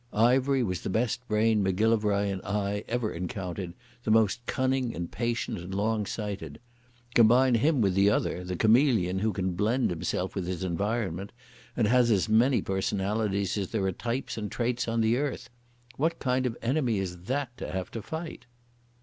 Ivery was the best brain Macgillivray and I ever encountered, the most cunning and patient and long sighted. Combine him with the other, the chameleon who can blend himself with his environment, and has as many personalities as there are types and traits on the earth. What kind of enemy is that to have to fight?"